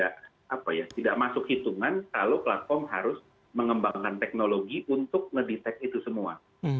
jadi buat platform amat sangat tidak masuk hitungan kalau platform harus mengembangkan teknologi untuk ngedetek itu semua